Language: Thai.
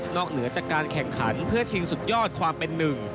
เหนือจากการแข่งขันเพื่อชิงสุดยอดความเป็นหนึ่ง